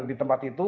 di tempat itu